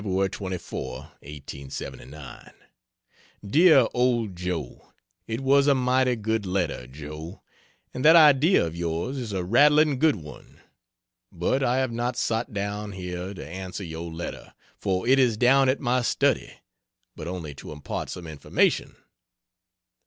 24. (1879) DEAR OLD JOE, It was a mighty good letter, Joe and that idea of yours is a rattling good one. But I have not sot down here to answer your letter, for it is down at my study, but only to impart some information.